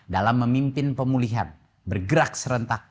dalam memimpin pemulihan bergerak serentak